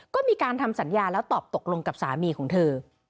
ก็มีการทำสัญญาแล้วตอบตกลงกับสามีของเธอ